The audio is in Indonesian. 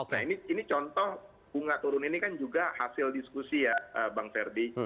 nah ini contoh bunga turun ini kan juga hasil diskusi ya bang ferdi